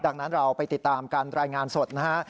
ดังนั้นเราไปติดตามการรายงานสดนะฮะ